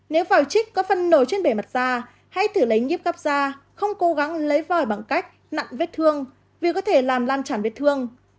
nếu vòi trích có phân nổi trên bể mặt da hãy thử lấy nhiếp gắp da không cố gắng lấy vòi bằng cách nặn vết thương vì có thể làm lan tràn vết thương